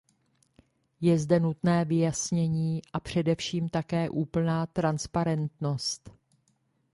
Je zde nutné vyjasnění a především také úplná transparentnost.